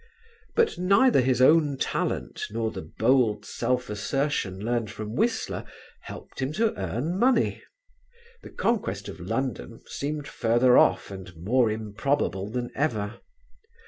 But neither his own talent nor the bold self assertion learned from Whistler helped him to earn money; the conquest of London seemed further off and more improbable than ever.